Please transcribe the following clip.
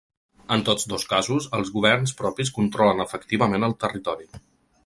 En tots dos casos, els governs propis controlen efectivament el territori.